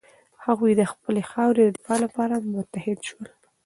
هغوی د خپلې خاورې د دفاع لپاره متحد شول.